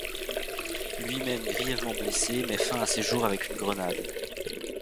Lui-même grièvement blessé, met fin à ses jours avec une grenade.